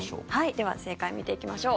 では、正解を見ていきましょう。